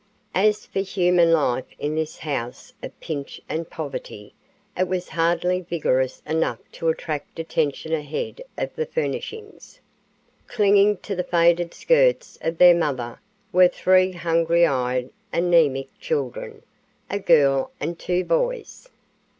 As for human life in this house of pinch and poverty, it was hardly vigorous enough to attract attention ahead of the furnishings. Clinging to the faded skirts of their mother were three hungry eyed anaemic children, a girl and two boys.